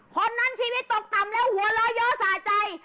คนนั้นชีวิตตกต่ำแล้วหัวเราะเยอะสะใจ